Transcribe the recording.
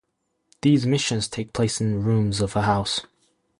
These missions take place in rooms of a house.